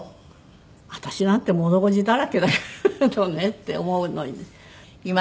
私なんてものおじだらけだけどねって思うのにね。